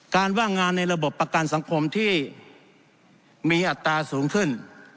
ว่างงานในระบบประกันสังคมที่มีอัตราสูงขึ้น